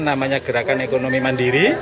namanya gerakan ekonomi mandiri